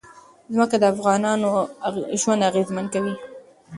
ځمکه د افغانانو ژوند اغېزمن کوي.